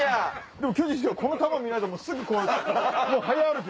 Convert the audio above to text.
でも巨人師匠この球見ないですぐこうやって早歩きで。